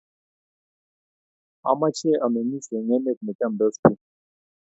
ameche ameng'is eng emet ne chamsot biik